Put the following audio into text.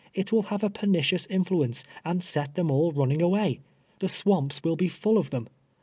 It Avill have a pernicious influence, and set them all run ning aAvay. The swamps Avill be full of them.